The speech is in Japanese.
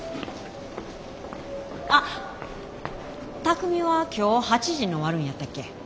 あっ巧海は今日８時に終わるんやったっけ？